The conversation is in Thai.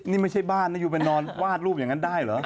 นี่ไม่ใช่บ้านนะยูไปนอนวาดรูปอย่างนั้นได้เหรอ